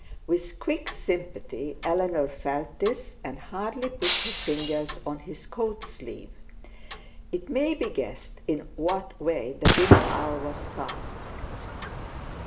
With quick sympathy Eleanor felt this, and hardly put her fingers on his coat sleeve. It may be guessed in what way the dinner hour was passed.